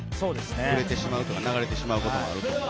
ぶれてしまうとか流れてしまうとかもあるから。